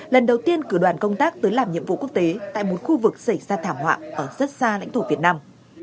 lần đầu tiên cử đoàn công tác tới làm nhiệm vụ quốc tế tại một khu vực xảy ra thảm họa ở rất xa lãnh thổ việt nam